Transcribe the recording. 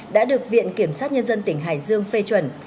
đã được viện kiểm sát nhân dân tỉnh hải dương phê chuẩn